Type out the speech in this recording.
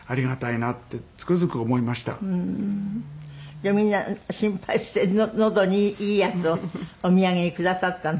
じゃあみんな心配してのどにいいやつをお土産にくださったの？